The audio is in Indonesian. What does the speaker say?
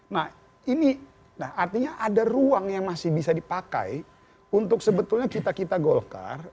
nah ini artinya ada ruang yang masih bisa dipakai untuk sebetulnya kita kita golkar